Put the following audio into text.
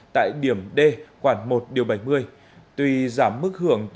tại điểm d khoảng một điều bảy mươi